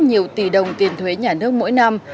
nhiều tỷ đồng tiền thuế nhà nước mỗi năm